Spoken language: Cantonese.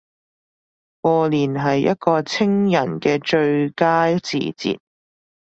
過年係一個清人既最佳時節